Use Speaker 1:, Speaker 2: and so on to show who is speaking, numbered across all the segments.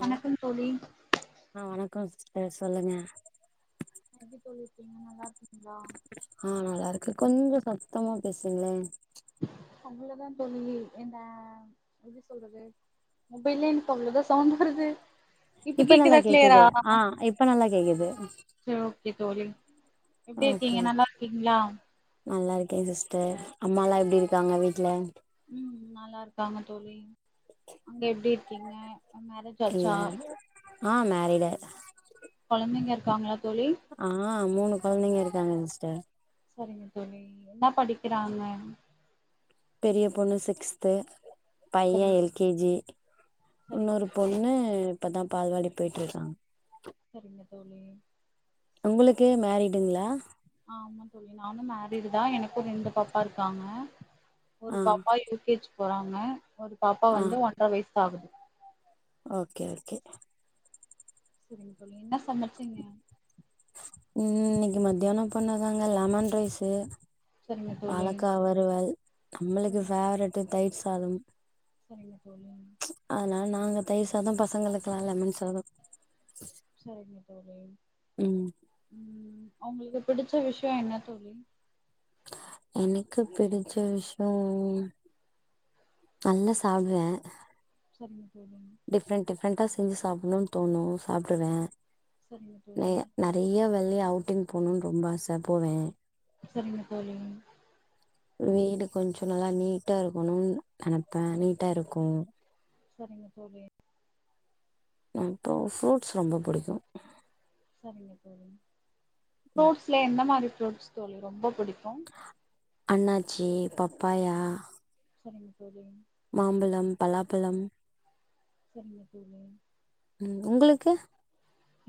Speaker 1: வணக்கம் தோழி
Speaker 2: கோ சிஸ்டர் சொல்லுங்க
Speaker 1: எப்டி தோழி இருக்கீங்க நல்லாருக்
Speaker 2: ஆ நல்லாருக்கு கொஞ்சோ சத்தமா பேசுங்களே
Speaker 1: அவ்ளோதா தோழி என்ன எப்டி சொல்றது மொபைல்லே எனக்கு அவ்ளோதா சவுண்ட் வருது
Speaker 2: இப்ப நல்லா
Speaker 1: கேக்குதா கிளியரா
Speaker 2: கேக்குது ஆ இப்ப நல்லா கேக்குது
Speaker 1: சரி ஓகே தோழி எப்டி
Speaker 2: ஓகே
Speaker 1: இருக்கீங்க நல்லாருக்கீங்களா
Speaker 2: நல்லா ஓகே சிஸ்டர் அம்மால்லாம் எப்பிடி இருக்காங்க வீட்ல
Speaker 1: ம் நல்லாருக்காங்க தோழி அங்க எப்பிடி இருக்கீங்க மேரேஜ்
Speaker 2: இல்ல
Speaker 1: ஆச்சா
Speaker 2: ஆ மேரிடு ஆயி
Speaker 1: க்காங்களா
Speaker 2: ஆ மூணு கொழந்தைங்க இருக் இருக்காங்க சிஸ்டர்
Speaker 1: சரிங்க தோழி என்ன படிக்கிறாங்க
Speaker 2: பெரிய பொண்ணு சிக்ஸ்து பையன்
Speaker 1: சரிங்க
Speaker 2: எல் கே ஜி
Speaker 1: சரிங்க
Speaker 2: இன்னொரு
Speaker 1: தோழி.
Speaker 2: பொண்ணு இப்பதான் பால்வாடி போயிட்டிருக்கான்
Speaker 1: சரிங்க தோழி
Speaker 2: உங்களுக்கு மேரிடுங்களா
Speaker 1: ஆமா தோழி நானும் மேரிடு தான் எனக்கும் ரெண்டு பாப்பா இருக்காங்க ஒரு
Speaker 2: ஆ
Speaker 1: பாப்பா எல் கே ஜி போறாங்க ஒரு பாப்பா
Speaker 2: ஆ
Speaker 1: வந்து ஒன்ற வயசு ஆகுது
Speaker 2: ஓகே ஓகே
Speaker 1: செரிங்க தோழி என்ன சமைச்சீங்க
Speaker 2: ம் இன்னிக்கு மத்தியானம் பண்ணதாங்க லமன் ரைஸ்சு
Speaker 1: சரிங்க தோழி
Speaker 2: வாழக்கா வறுவல் நம்முளுக்கு
Speaker 1: சரிங்க
Speaker 2: ஃபேவரிட் தயிர் சாதம்
Speaker 1: சரிங்க தோழி
Speaker 2: அதனால நாங்க தயிர் சாதம் பசங்களுக்குல்லா லமண் சாதம்
Speaker 1: சரிங்க ம்
Speaker 2: ம்
Speaker 1: அவுங்களுக்கு பிடிச்ச விஷய என்ன தோழி
Speaker 2: எனக்கு பிடிச்ச விஷயோ நல்லா சாப்புடுவ
Speaker 1: சரிங்க தோழி
Speaker 2: டிஃப்ரென்ட் டிஃப்ரெண்டா செஞ்சு சாப்டணு தோணு சாப்டுவ
Speaker 1: சரிங்க
Speaker 2: ந
Speaker 1: தோழி
Speaker 2: நறைய வெளிய அவுட்டிங் போணு ரொம்ப ஆச போவே
Speaker 1: சரிங்க தோழி
Speaker 2: வீடு கொஞ்சே நல்லா நீட்டா இருக்கணும்னு நனப்ப நீட்டா இருக்கோ
Speaker 1: சரிங்க தோழி
Speaker 2: [unintelligible] சு ரொம்ப பிடிக்கோ
Speaker 1: ம் ஃப்ரூட்ஸ்ல எந்த மாரி புருட்ஸ் தோழி ரொம்ப பிடிக்கோ கோ
Speaker 2: அண்ணாச்சி பப்பாயா
Speaker 1: சரிங்க தோழி
Speaker 2: மாம்பலம் பலாபலம்
Speaker 1: சரிங்க தோழி
Speaker 2: உம் உங்களுக்கு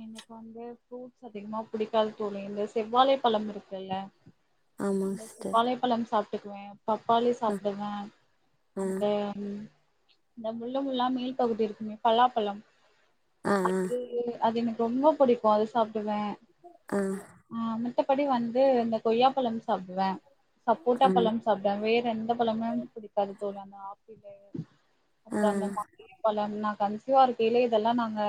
Speaker 1: எனக்கு வந்து ப்ரூட்ஸ் அதிகமா புடிக்காது தோழி இந்த செவ்வாலை பலம் இருக்குல
Speaker 2: ஆமா
Speaker 1: அந்த
Speaker 2: சிஸ்டர்
Speaker 1: செவ்வாலை பழம் சாப்பி கிவ பப்பாளி
Speaker 2: அ
Speaker 1: சாப்பிடுவே
Speaker 2: ஆ
Speaker 1: அந்த இந்த முள்ளுமுள்ளா மேல் பகுதி இருக்குமே பலாப்பலம்
Speaker 2: அஹ்
Speaker 1: அது எனக்கு ரொம்ப பிடிக்கோ அது சா வெ
Speaker 2: ஆ
Speaker 1: ஆஹா மந்தபடி வந்து இந்த கொய்யாப்பலம் சாப்புடுவ சப்போட்டா
Speaker 2: ஆ ஆ
Speaker 1: பழம் சாப்டுவ வேற எந்த பழமும் புடிக்காது ஓயாம ஆப்பிலே
Speaker 2: ஆ
Speaker 1: அப்றம் இந்த [inaudible] பழம் நான் கன்ஷிவ் இதுவா இருக்கைலயே இதெல்லாம் நாங்க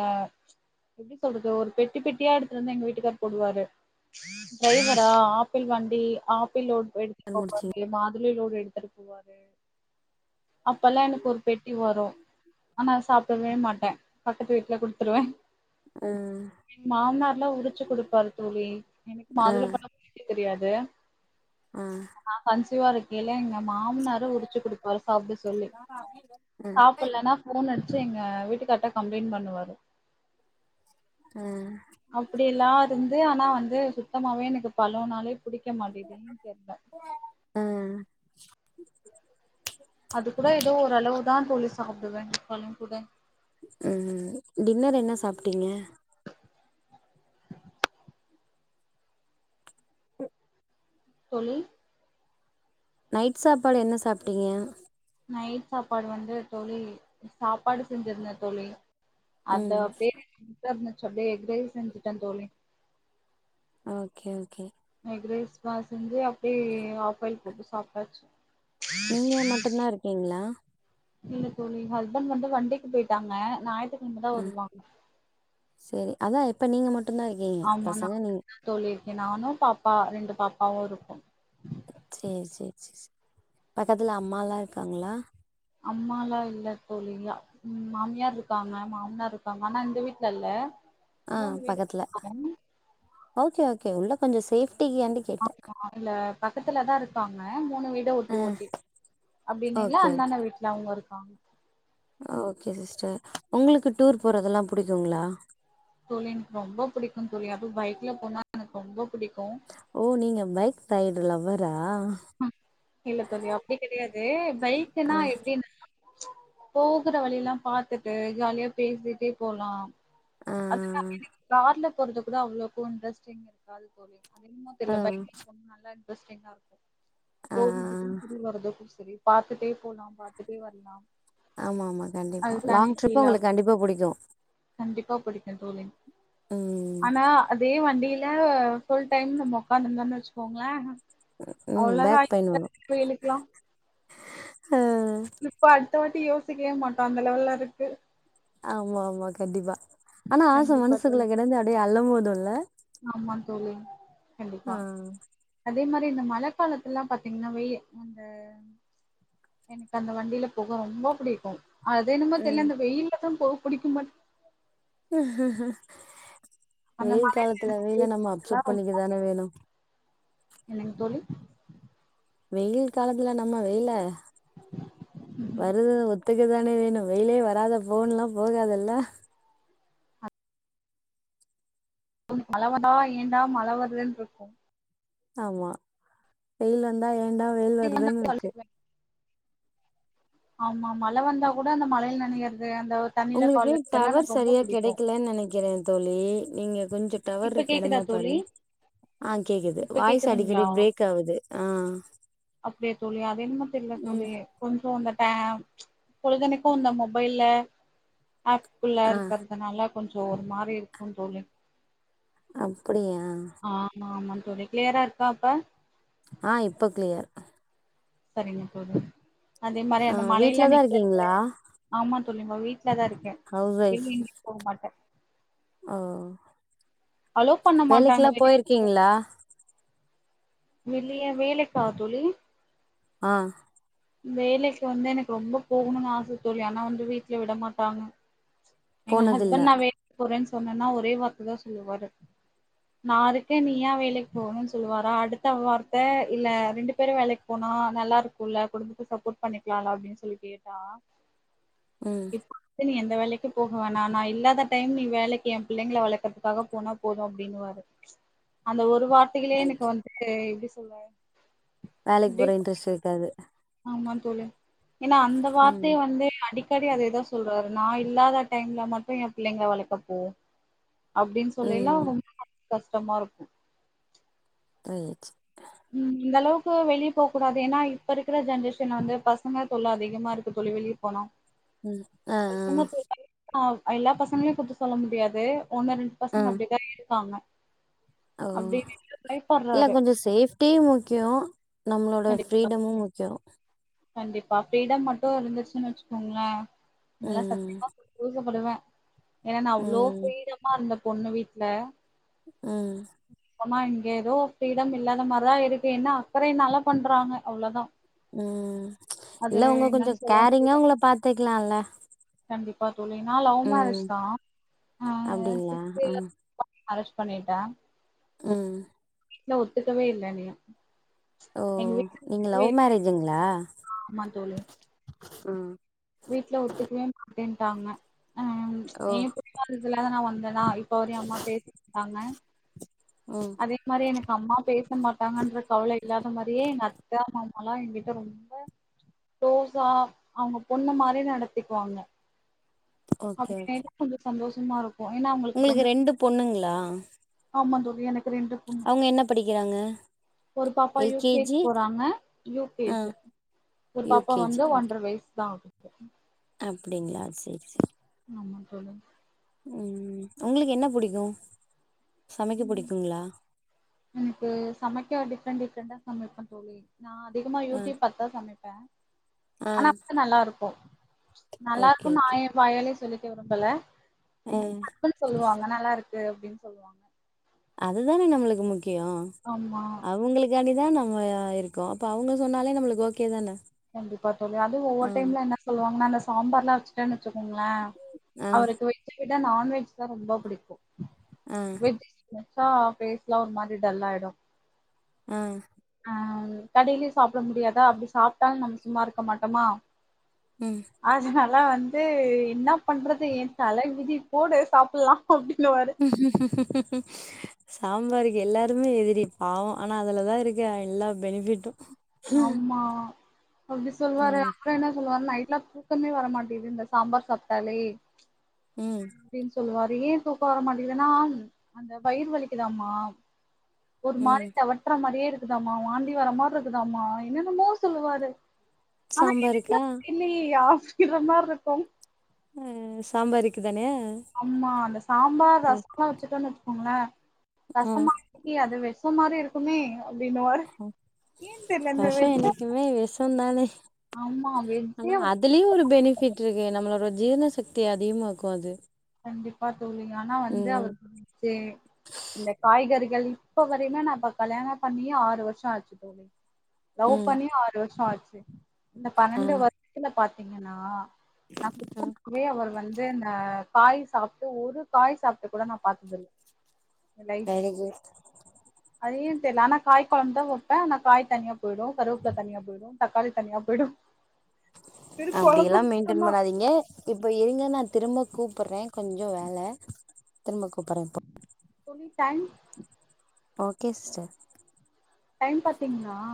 Speaker 1: எப்டி சொல்றது ஒரு பெட்டி பெட்டியா எடுத்துட்டு வந்து எங்க வீட்டுக்கார் போடுவாரு டிரைவரா ஆப்பிள் வண்டி ஆப்பிள் லோட்
Speaker 2: அது முடிச்சிங்க
Speaker 1: எடுத்துக்க [unintelligible] மாதுளையும் எடுத்துட்டு போவாரு அப்பெல்லாம் எனக்கு ஒரு பெட்டி வரும் ஆனா அத சாப்பிடவே மாட்டேன் பக்கத்து வீட்ல குடுத்துருவேன்
Speaker 2: ம்
Speaker 1: மாமனார்லாம் உரிச்சு குடுப்பாரு தோழி எனக்கு மாதுளம்பழம் உரிக்க தெரியாது து
Speaker 2: ஆஹ
Speaker 1: வா இருக்கேல்ல எங்க மாமனாரு உரிச்சு குடுப்பாரு சாப்பட சொல்லி
Speaker 2: ஆ
Speaker 1: சாப்பிடலன்னா போன் எடுத்து ரிங்க வீட்டுக்கார்ட்ட கம்ப்ளைண்ட் பண்ணுவாரு
Speaker 2: ஆ
Speaker 1: அப்பிடில்லா இருந் இதே ஆனா வந்து சுத்தமாவே எனக்கு பழம் நாலே
Speaker 2: அ
Speaker 1: அது கூட ஏதோ ஓரளவுதா தோழி சாப்புடுவே பழம் கூட
Speaker 2: ம் டின்னர் என்ன சாப்ட்டிங்க
Speaker 1: தோழி
Speaker 2: நைட் சாப்பாடு என்ன சாப்ட்டீங்க
Speaker 1: நைட் சாப்பாடு வந்து தோழி சாப்பாடு செஞ்சிருந்தே தோழி அந்த
Speaker 2: ம்
Speaker 1: பேரு என்ன கர்னு சொல்லி எஃக் ரைஸ் செஞ்சுட்டே தோழி
Speaker 2: ஓகே ஓகே
Speaker 1: எஃக் ரைஸ் மாரி செஞ்சு அப் டி ஆஃப் பாயில் போட்டு சாப்ட்டாச்சு
Speaker 2: நீங்க மட்டுந்தா இருக்கீங்ளா?
Speaker 1: இல்ல தோழி ஹஸ்பண்ட் வந்து வண்டிக்கு போயிட்டாங்க ஞாயத்து கெழமதா
Speaker 2: ஆ
Speaker 1: வருவாங்க
Speaker 2: சேரி அதா இப்ப நீங்க மட்
Speaker 1: ஆமா நா மட்டுந்தா தோழி இருக்கே நானு பாப் பா ரெண்டு பாப்பாவு இருக்கோ
Speaker 2: சேரி சேரி சே சே பகத்துல அம்மாலா இர்க்காங்களா
Speaker 1: அம்மாலா இல்லே தோழி அம் மாம்யார் ருக்காங்கே மாம்னார் ருக்காங்கே ஆனா இந்த வீட்லே இல்லே
Speaker 2: ஆ பக்கத்லே ஓகே ஓகே உள்ள கொஞ்சோ சேஃப்
Speaker 1: ஆ [inaudible] இல்லே பக்கத்துலதா இருக்கா ஆ மூணு வீட ஒட்டி
Speaker 2: ஆ
Speaker 1: ஒட்டி அப்டின்னீள
Speaker 2: ஓகே ஓகே
Speaker 1: அந்தாண வீட்லே அவுங்க இரு வாங்கு
Speaker 2: ஓகே சிஸ்டர் உங்குளுக்கு டூர் போறதெல்லா புடிக்குங்ளா
Speaker 1: தோழின்க் ரொம்போ புடிக்குன் தோழி அதுவு பைக்லே போனா எனக் ரொம்போ புடி
Speaker 2: ஓ நீங்கே பைக் [unintelligible] லவ்வரா
Speaker 1: ம் இல்லே தோழி அப்டி கெடையாது தேம் பைக்குனா
Speaker 2: ஆ
Speaker 1: எப்டின்னா போகற வழிய எல்லா பாத்துட்டு ஜாலியா பேசிட்டே போலா
Speaker 2: ஆ
Speaker 1: அதுதா அப்டி நீங்க கார்ல போறது கூட அவ்ளோக்கு இண்ட்ரஸ்டிங் இருக்காது தோழி அது என்னமோ
Speaker 2: ஆ
Speaker 1: தெரில பைக் ரைடிங் போனா நல்லா இன்ட்ரஸ்டிங்கா
Speaker 2: ஆ
Speaker 1: போறதுக்கு திரும்பி வர்றதுக்கு செரி பாத்துட்டே போலா பாத்துட்டே வரலா
Speaker 2: ஆமாமா கண்டிப்பா
Speaker 1: அது தனி
Speaker 2: லாங் ட்ரிப் உங்களுக்கு கண்டிப்பா புடிக்கு
Speaker 1: பா புடிக்கு தோழி
Speaker 2: ம்
Speaker 1: ஆனா அதே வண்டியி ல ஃபுல் டைம் நம்ம உக்காந்து இருந்தோனு வச்சுக்கோங்ளே
Speaker 2: ம்
Speaker 1: அவ்ளோதா
Speaker 2: பேக் பெயின்
Speaker 1: இப்ப
Speaker 2: வரு
Speaker 1: இருக்க வெயிலுக்குலா
Speaker 2: ஆ
Speaker 1: டிரிப் அடுத்த வா ட்டி யோசிக்கவே மாட்டோ அந்த லெவல்லா இருக்கு
Speaker 2: ஆமா ஆமா கண்டிப்பா, ஆனா ஆச
Speaker 1: கண்டிப்பா தோழி
Speaker 2: மனசுகுள்ள கெடந்து அப்டியே அலமோ துலா
Speaker 1: ஆமா தோழி
Speaker 2: ஆ
Speaker 1: கண்டிப்பா அதே மாரி இந்த மழை காலத்துல்லா பாத்தீங்னா வெய் அந்த எனக்கு அந்த வண்டில போக ரொம்ப புடிக்கு அது என்னுமோ தெரில
Speaker 2: ம்
Speaker 1: இந்த வெயில்ல தா போவ புடிக்க மாட்டு அந்த
Speaker 2: வெயில்
Speaker 1: மழையில
Speaker 2: காலத்துல
Speaker 1: நனஞ்சிட்டே
Speaker 2: வெயில நம்ம
Speaker 1: போறதுலா
Speaker 2: அப்சர்ப்
Speaker 1: ரொம்ப
Speaker 2: பண்ணிக்கதான வேணு
Speaker 1: என்னங்க தோழி
Speaker 2: வெயில் காலத்துல நம்ம வெயில
Speaker 1: ம்ஹ்ம்.
Speaker 2: வரது ஒத்துக தானே வேணு வெயிலே வராத ஃபோன்லா போகாதுல்ல
Speaker 1: [unintelligible] ஏண்டா மழ வர்லன்றுக்கும்
Speaker 2: ஆமா வெயில் வந்தா ஏ ண்டா வெயில் வருதுன்க்கு
Speaker 1: ஆமா மழ வந்தா கூட அந்த மழையில் நனையற்து
Speaker 2: உங்களுக்கு டவர் சரியா கிடைக்கலன் நினைக்கிறன் தோழி நீங்க கொஞ்ச டவர்
Speaker 1: இப்ப
Speaker 2: ருக்க
Speaker 1: கேக்குதா
Speaker 2: எடமா
Speaker 1: தோழி
Speaker 2: பாருங்க ஆ கேக்குது
Speaker 1: இப்ப
Speaker 2: வாய்ஸ் அடிக்கடி
Speaker 1: கேக்குதுங்களா
Speaker 2: பிரேக் ஆவுது ஆ
Speaker 1: அப்டியா தோழி அது என்னமோ
Speaker 2: ம்
Speaker 1: பொழுதுனுக்கு இந்த மொபைல்ல ஆப் குள்ளா
Speaker 2: ஆ
Speaker 1: இருக்கிறதுனால கொஞ்சம் ஒரு மாரி இருக்கு தோழி
Speaker 2: அ
Speaker 1: ஆமா ஆமா கொஞ்ச கிளியரா இருக்கா இப்ப
Speaker 2: ஆ இப்ப கிளியர்
Speaker 1: சரிங்க தோழி அதே மாரி
Speaker 2: ஆ
Speaker 1: அந்த மழையில
Speaker 2: வீட்லதா
Speaker 1: நிக்கிறது
Speaker 2: இருக்கீங்களா
Speaker 1: ஆமா சொல்லுங்க வீ வீட்லதா இருக்கே
Speaker 2: ஹவுஸ் ஒய்ஃப்
Speaker 1: எங்கியும் போக மாட்ட
Speaker 2: வேலைக்கெல்லாம் போயிருக்கீங்களா
Speaker 1: வெளிய வேலைக்கா தோழி
Speaker 2: அ
Speaker 1: வேலைக்கு வந்து எனக்கு ரொம்ப போகணும்னு ஆச தோழி ஆனா வந்து வீட்டுல விட மாட்டாங்க எங்க
Speaker 2: போனதில்ல
Speaker 1: ஹஸ்பண்ட் நா வேலைக்கு போறேனு சொ சொன்னன்னா ஒரே வார்த்தைதா சொல்லுவாரு நா இருக்கே நீ ஏ வேலைக்கு போகணும்னு சொல்லுவாரா அடுத்த வார்த்தை இல்ல ரெண்டு பேரும் வேலைக்கு போனா நல்லாருக்குல்ல குடும்பத்துக்கு சப்போர்ட் பண்ணிக்கலால்ல அப்டின்னு சொல்லி கேட்டா
Speaker 2: ம்
Speaker 1: இப்ப நீ எந்த எந்த வேலைக்கு போக வேணா நா இல்லாத டைம் நீ வேலைக்கு எ புள்ளைங்களை வளர்க்கறதுக்காக போனா போதும் அப்டின்னுவாரு அந்த ஒரு வார்த்தைகளே எனக்கு
Speaker 2: ரைட்
Speaker 1: வந்துட்டு எப்டி பாய்
Speaker 2: வேலைக்கு போற இன்ட்ரெஸ்ட் இருக்காது
Speaker 1: ஆமா தோழி ஏன்னா அந்த
Speaker 2: ம்
Speaker 1: வார்த்தைய வந்து அடிக்கடி அதேதா சொல்றாரு நா இல்லாத டைம்ல மட்டும் என் பிள்ளைங்கல வளக்கப்போ அப்டின்னு சொல்லைல
Speaker 2: ம்
Speaker 1: கஷ்டமா இருக்கும்
Speaker 2: ஓ சரி
Speaker 1: ம் இந்தளவுக்கு வெளிய போக்கூடாது ஏன்னா இப்பருக்குற ஜென்ரேஷன்ல வந்து பசங்க தொல்ல அதிகமா இருக்கு தோழி வெளிய போனா
Speaker 2: ம் அ ஆ
Speaker 1: பசங்க தொல்ல ஆ எல்லா பசங்களையும் குத்த சொல்ல முடியாது ஒண்ணு ரெண்டு
Speaker 2: ஆ
Speaker 1: பசங்க அப்டிதா இருக்காங்க
Speaker 2: ஓ
Speaker 1: அப்டின்னு
Speaker 2: இல்ல
Speaker 1: பயப்பட்றாரு
Speaker 2: கொஞ்சம் சேஃப் ட்டி முக்கியோம் நம்மளோட
Speaker 1: கண்டிப்
Speaker 2: ஃப்ரீடமும் முக்கியோம்
Speaker 1: கண்டிப்பா ஃபிரீடம் மட்டு இருந்துச்சுன் வச்சுக்கோங்களே நல்ல சத்
Speaker 2: ம்
Speaker 1: [unintelligible] ப்படுவே ஏனா நா அவ்ளோ
Speaker 2: ம்
Speaker 1: ஃபிரீடமா இருந்தப் பொண்ணு வீட்ல
Speaker 2: ம்
Speaker 1: ஆனா இங்க ஏதோ ஃபிரீடம் இல்லாத மாரிதா இருக்கு என்னா அக்கறைனாலா பண்றாங்க அவ்ளோ தா
Speaker 2: ம் இல்ல அவுங்க கொஞ்சோ
Speaker 1: என்னன்னு சொல்லவு முடில
Speaker 2: கேரிங்கா உங்கள பாத்துக்கலால்ல
Speaker 1: கண்டிப்பா தோழி நா லவ் மேரேஜ்
Speaker 2: ம்
Speaker 1: தா அ
Speaker 2: அப்டிங்களா
Speaker 1: [unintelligible]
Speaker 2: ம்
Speaker 1: மேரேஜ் பண்ணிட்ட
Speaker 2: ம்
Speaker 1: வீட்ல ஒத்துக்கவே இல்ல என்னையு
Speaker 2: ஓ நீங்க லவ் மேரேஜுங்களா
Speaker 1: ஆமா தோழி
Speaker 2: ம்
Speaker 1: வீட்ல ஒத்துக்கவே மாட்டேன்ட்டாங்க அ ப்ச்
Speaker 2: ஓ
Speaker 1: ஏ புடிவாதத்துல தா நா வந் நா இப்ப வரயு அம்மா பேச ட்டாங்க
Speaker 2: ம்
Speaker 1: அதே மாரி எனக்கு அம்மா பேச மாட்டாங்கன்ற கவல இல்லாத மாரியே எங்க அத்த மாமாலா எங்கிட்ட ரொம்ப குளோஸா அவங்கப் பொண்ணு மாரி நடத்திக்குவாங்க
Speaker 2: ஓகே
Speaker 1: அப்டி
Speaker 2: ஓகே
Speaker 1: வரைக்கு கொஞ்ச சந்தோஷ் டுமாரோ
Speaker 2: உங்களுக்கு ரெண்டு பொண்ணுங்களா
Speaker 1: எனக் ரெண்டு பொண்ணு
Speaker 2: அவங்க என்ன படிக்கிறாங்க
Speaker 1: ஒரு பாப்பா யூ கே ஜி போறாங்க யூ கே
Speaker 2: ஆ
Speaker 1: ஜு ஒரு
Speaker 2: யூ
Speaker 1: பாப்பா
Speaker 2: கே
Speaker 1: வந்து
Speaker 2: ஜி
Speaker 1: ஒன்ர வயசு தா
Speaker 2: அப்டிங்களா சேரி சேரி
Speaker 1: ஆமா தோழி
Speaker 2: ம் உங்களுக்கு என்ன புடிக்கு சமைக்க
Speaker 1: ம்
Speaker 2: புடிக்குங்களா
Speaker 1: எனக்கு சமைக்க டிப் டிப்ரெண் டிப்ரெண்டா சமைப்பே தோழி நா அதிகமா
Speaker 2: ஆ
Speaker 1: யூட்யூப் பாத்தா சமைப்பே
Speaker 2: ஆ
Speaker 1: ஆனா வந்து நல்லா இருக்கு நல்லா
Speaker 2: ஓகே
Speaker 1: இருக்கு நா
Speaker 2: ஓகே
Speaker 1: ஏ வாயாலயே சொல்லி கே விரும்பலே எங்
Speaker 2: ம்
Speaker 1: ஹஸ்பண்ட் சொல்லுவாங்கே நல்லா இரு தே அப்டின் சொல்லுவாங்கே
Speaker 2: அதுதானே நம்முளுக்கு முக் கியோ
Speaker 1: ஆமா
Speaker 2: அவுங்கிளுக்காண்டி தா நாங்க இருக்கோ அப்ப அவங்க சொன்னாலே நம்மளுக்கு ஓகே தான
Speaker 1: கண்டிப்பா தோழி அதும் ஒவ்வொரு டைம்ல என்ன சொல்லுவாங்கனா அந்த சாம்பார்லா வச்டேனு வச்சுக்கோங்ளே
Speaker 2: ஆ
Speaker 1: அவருக்கு வெஜ்ஜ விட நான்வெஜ் தா ரொம்ப பிடிக்கும்
Speaker 2: ஆ
Speaker 1: வெஜ் சா ஃபேஸ்லா ஒரு மாரி டல் ஆயிடு
Speaker 2: ஆ
Speaker 1: கடைலயு சாப்ட முடியாதா அப்டி சாப் டாலு நம்ம சும்மா இருக்க மாட்டோமா
Speaker 2: ம்
Speaker 1: அதனால் ல வந்து என்னா பண்றது ஏன் தல விதி போடு சாப்புட்லா அப்டின்னுவாரு
Speaker 2: சாம்பாருக்கு எல்லாருமே எதிரி பாவோ ஆனா அதுலதா இருக்கு எல்லா பெனிஃபிட்டும்
Speaker 1: ஆமா அப்டி சொல்லுவாரு
Speaker 2: ம்
Speaker 1: அப்பறோ என்ன சொல்லுவாரு நை ட்லா தூக்கமே வர மாட்டேது இந்த சாம்பார் சாப்ட்டாலே
Speaker 2: ம்
Speaker 1: அப்டின் சொல்லுவாரு து ஏன் தூக்கோ வர மாட்டிங்குதுனாம் அந்த வயிர் வலிக்குதாமா ஒரு மாரி
Speaker 2: ம்
Speaker 1: தெவட்ற மாரியே இருக் குதாம்மா வாந்தி வர மார்ருக் குதாம்மா என்னொன்னமோ சொல்லுவாரு
Speaker 2: சாம்பருக்கா
Speaker 1: ர்ரமார்ருக்கோம்
Speaker 2: ஆ சாம்பார் வெக்கியு
Speaker 1: ஆமா அந்த சாம்பார் ரசோல்லா வெச்சுட்டோன்னு வெச்சு கோங்களே
Speaker 2: ஆ
Speaker 1: ரசமா [unintelligible] அது வெஸ் இந்த மாரியே இருக்குமே அப்டின்னுவாரு
Speaker 2: ம்
Speaker 1: ஏன்னு தெர்ல இந்த
Speaker 2: ரசோ
Speaker 1: வெஜ்ஜ
Speaker 2: என்னைக்குமே விஷோந் தானே
Speaker 1: ஆமா வெஜ்ஜே
Speaker 2: ஆனா
Speaker 1: அவருக்கு
Speaker 2: அதுலே ஒரு பெனிஃபிட்ருக்கு நம் நம்மளோட ஜீரண சக்தி அதிகமா இருக்கும் அது
Speaker 1: கண்டிப்பா தோழி ஆனா வந்து
Speaker 2: ம்
Speaker 1: அவருச்சு இ காய்கறிகள் இப்ப வர என்னனான் பாக்கலயானா பண்ணியே ஆறு வருஷம் ஆச்சு தோழி லவ்
Speaker 2: ம்
Speaker 1: பண்ணியும் ஆறு வருஷம் ஆச்சு [unintelligible] இந்த
Speaker 2: ஆ
Speaker 1: பன்னெண்டு வருஷத்துல பா்த்த த்தீங்கன்னா நா
Speaker 2: ஆ
Speaker 1: [unintelligible] அவர் வந்து காய் சாப்பிட்டு ஒரு காய் சாப்பட்டு கூட நா பா்த்ததில்ல எலைட்
Speaker 2: வேலைக்கு
Speaker 1: [unintelligible] தெரிய ஆன காய்க குழம்பந்தா வைப்பன் நா காய் தனியா போயிடும் கருவ புல்லா தனியா போயிடும் தக்காளி தனியா போயிடும்
Speaker 2: அப்படிய எல்லாம் மெயின்டென் பண்ணாதீங்க இப்ப இருங்க நான் திரும்ப கூ கூப்படுறேன் கொஞ்சம் வேல திரும்ப கூப்பிடறேன் இப்ப
Speaker 1: தோழி டைம்
Speaker 2: ஓகே சிஸ்டர்
Speaker 1: டைம் பாத்தீங்கன்னா